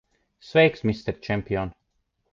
Sveiks, mister čempion!